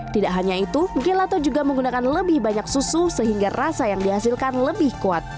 tidak hanya itu gelato juga menggunakan lebih banyak susu sehingga rasa yang dihasilkan lebih kuat